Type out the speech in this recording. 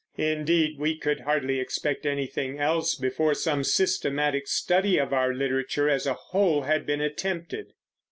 Indeed we could hardly expect anything else before some systematic study of our literature as a whole had been attempted.